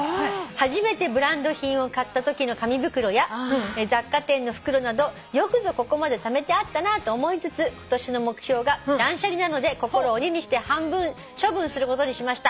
「初めてブランド品を買ったときの紙袋や雑貨店の袋などよくぞここまでためてあったなと思いつつ今年の目標が断捨離なので心を鬼にして半分処分することにしました」